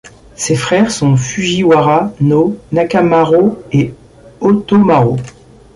Ses frères sont Fujiwara no Nakamaro et Otomaro.